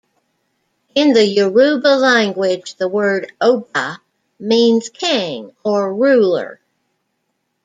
In the Yoruba language, the word "oba" means king or ruler.